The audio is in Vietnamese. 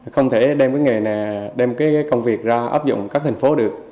không thể đem công việc ra áp dụng các thành phố được